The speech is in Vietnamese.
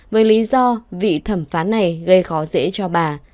với lý do vị thẩm phán này gây khó dễ cho bà